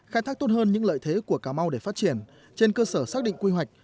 khai thác tốt hơn những lợi thế của cà mau để phát triển trên cơ sở xác định quy hoạch